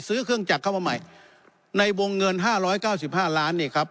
ซื้อเครื่องจักรเข้ามาใหม่ในวงเงิน๕๙๕ล้านเนี่ยครับ